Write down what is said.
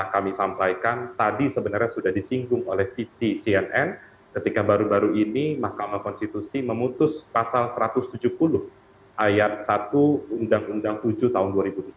kami sampaikan tadi sebenarnya sudah disinggung oleh tv cnn ketika baru baru ini mahkamah konstitusi memutus pasal satu ratus tujuh puluh ayat satu undang undang tujuh tahun dua ribu tujuh belas